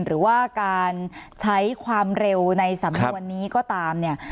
หรือว่าการใช้ความเร็วในสำนวนนี้ก็ตามเนี่ย